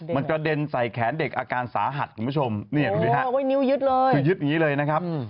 มันกระเด็นใส่แขนเด็กอาการสาหัสคุณผู้ชมนี่ดูดิฮะนิ้วยึดเลยคือยึดอย่างนี้เลยนะครับ